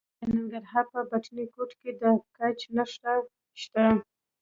د ننګرهار په بټي کوټ کې د ګچ نښې شته.